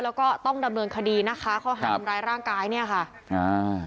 แล้วก็ต้องดำเนินคดีนะคะข้อหาทำร้ายร่างกายเนี่ยค่ะอ่า